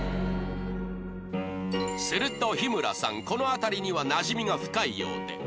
すると日村さんこの辺りにはなじみが深いようで